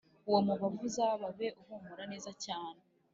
Uwo mubavu uzababe uhumura neza cyane